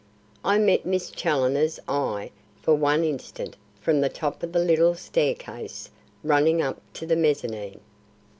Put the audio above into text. I met Miss Challoner's eye for one instant from the top of the little staircase running up to the mezzanine.